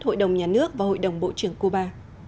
hội đồng nhà nước và hội đồng bộ trưởng cuba